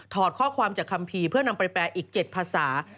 อดข้อความจากคัมภีร์เพื่อนำไปแปลอีก๗ภาษา